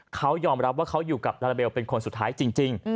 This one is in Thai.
เขายอมรับว่าเขาอยู่กับลาลาเบลเป็นคนสุดท้ายจริง